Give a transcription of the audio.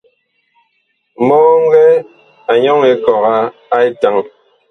Mɔŋgɛ a nyɔŋ ekɔga a etaŋ.